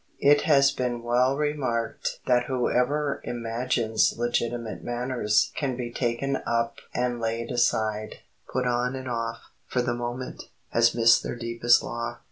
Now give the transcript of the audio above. It has been well remarked that whoever imagines legitimate manners can be taken up and laid aside, put on and off, for the moment, has missed their deepest law.